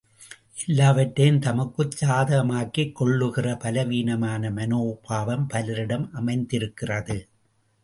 எல்லாவற்றையும் தமக்குச் சாதகமாக்கிக் கொள்ளுகிற பலவீனமான மனோபாவம் பலரிடம் அமைந்திருக்கிறது.